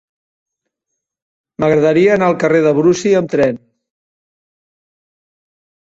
M'agradaria anar al carrer de Brusi amb tren.